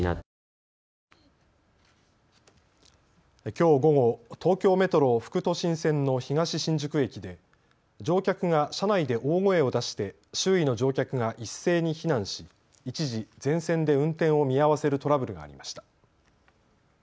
きょう午後、東京メトロ副都心線の東新宿駅で乗客が車内で大声を出して周囲の乗客が一斉に避難し一時、全線で運転を見合わせるトラブルがありました。